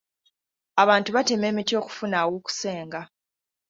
Abantu batema emiti okufuna aw'okusenga.